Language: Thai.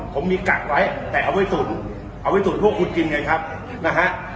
ผมมีกักไว้แต่เอาไว้ตุ๋นเอาไว้ตุ๋นพวกคุณกินไงครับนะฮะ